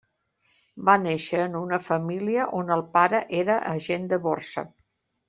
Va néixer en una família on el pare era agent de borsa.